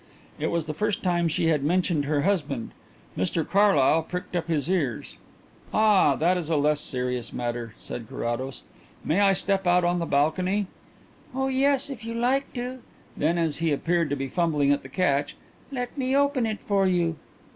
It was the first time she had mentioned her husband; Mr Carlyle pricked up his ears. "Ah, that is a less serious matter," said Carrados. "May I step out on to the balcony?" "Oh yes, if you like to." Then, as he appeared to be fumbling at the catch, "Let me open it for you."